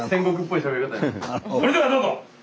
それではどうぞ！